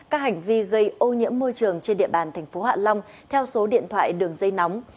các hành vi gây ô nhiễm môi trường trên địa bàn thành phố hạ long theo số điện thoại đường dây nóng